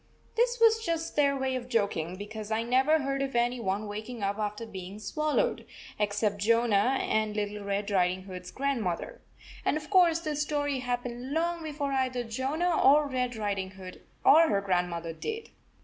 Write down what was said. This was just their way of joking, because I never heard of any one waking up after being swallowed, except Jonah and Little Red Riding Hood s grandmother. And of course, this story happened long before either Jonah or Red Riding Hood or her grandmother did.